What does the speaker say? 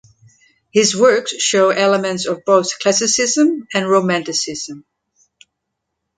His works show elements of both classicism and romanticism.